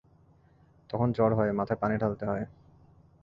তখন জ্বর হয়, মাথায় পানি ঢালতে হয়।